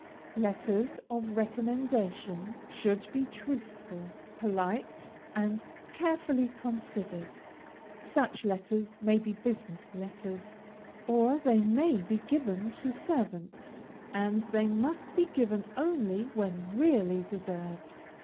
LETTERS OF RECOMMENDATION should be truthful, polite, and carefully considered. Such letters may be business letters, or they may be given to servants, and they must be given only when really deserved.